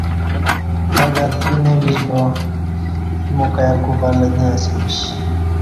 اگر تیو نہ بیش با ایمو کائی کو بلہ نہ اسہ میش۔